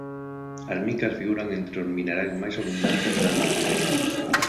As micas figuran entre os minerais máis abundantes da natureza.